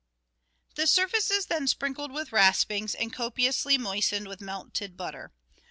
The. surface is then sprinkled with raspings, and copiously moistened with melted butter.